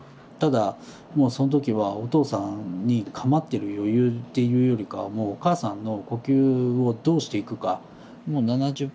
ただもうその時はお父さんに構ってる余裕っていうよりかはもうお母さんの呼吸をどうしていくか。